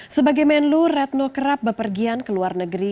sebagai menlu retno kerap bepergian ke luar negeri